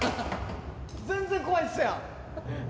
全然怖いっすやん。